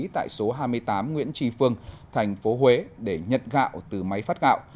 tại số hai mươi tám nguyễn trì phương thành phố huế để nhận gạo từ máy phát gạo